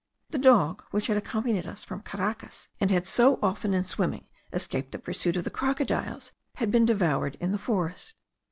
The dog, which had accompanied us from Caracas, and had so often in swimming escaped the pursuit of the crocodiles,* had been devoured in the forest.